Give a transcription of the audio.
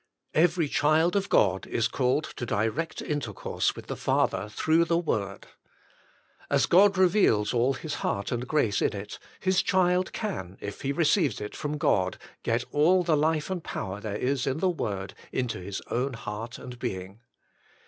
Every child of God is called to direct intercourse with the Father, through the Word. As God reveals all His heart and grace in it. His child can, if he receives it from God, get all the life and power there is in the Word into his own heart and being.